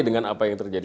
dengan apa yang terjadi